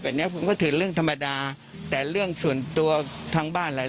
แบบนี้ก็เป็นเรื่องธรรมดาแต่เรื่องส่วนตัวทั้งบ้านแหละ